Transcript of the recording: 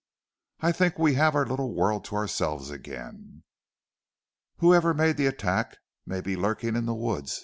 "I think we have our little world to ourselves again." "Whoever made the attack may be lurking in the woods!"